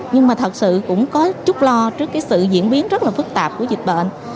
nhưng mà thật sự cũng có chút lo trước cái sự diễn biến rất là phức tạp của dịch bệnh